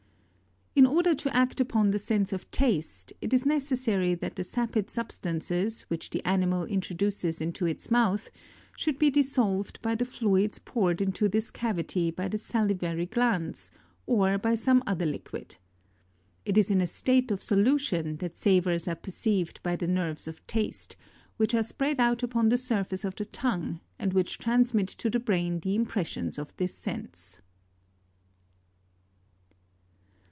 23. In order to act upon the sense of taste, it is necessary that the sapid substances which the animal introduces into its mouth, should be dissolved by the fluids poured into this cavity by the salivary glands, or by some other liquid. It is in a state of solu tion, that savors are perceived by the nerves of taste, which are spread out upon the surface of the tongue, and which transmit to the brain the impressions of this sense.